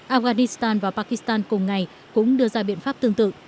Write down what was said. afghanistan và pakistan cùng ngày cũng đưa ra biện pháp tương tự